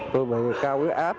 tôi bị cao quyết áp